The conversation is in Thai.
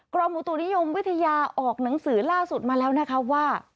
กรมอุตุนิยมวิทยาออกหนังสือล่าสุดมาแล้วนะคะว่า